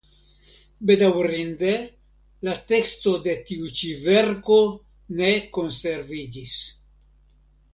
Bedaŭrinde la teksto de tiu ĉi verko ne konsreviĝis.